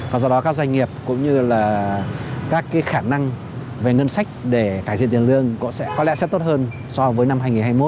và do đó các doanh nghiệp cũng như là các khả năng về ngân sách để cải thiện tiền lương sẽ có lẽ sẽ tốt hơn so với năm hai nghìn hai mươi một